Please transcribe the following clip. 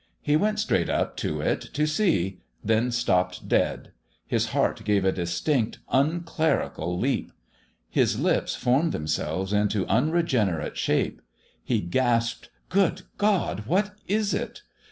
He went straight up to it to see then stopped dead. His heart gave a distinct, unclerical leap. His lips formed themselves into unregenerate shape. He gasped: "Good God! What is it?"